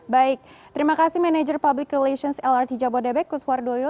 baik terima kasih manager public relations lrt jabodebek kuswardoyo